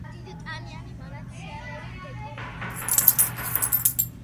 დიდტანიანი მარაციალეები დეკორატიულია.